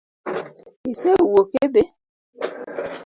Isewuok idhi?